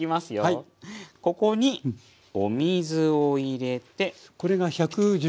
ここにお水を入れて。